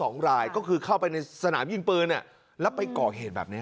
สองรายก็คือเข้าไปในสนามยิงปืนแล้วไปก่อเหตุแบบนี้